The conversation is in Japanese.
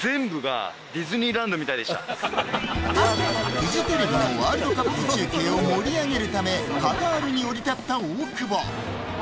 フジテレビのワールドカップ中継を盛り上げるためカタールに降り立った大久保。